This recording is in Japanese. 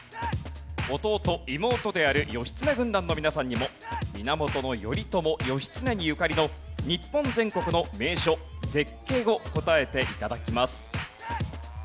弟・妹である義経軍団の皆さんにも源頼朝・義経にゆかりの日本全国の名所・絶景を答えて頂きます。